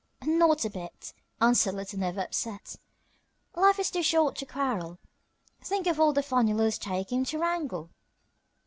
"Not a bit," answered Little Never upset; "life is too short to quarrel. Think of all the fun you lose taking time to wrangle."